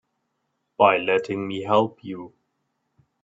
By letting me help you.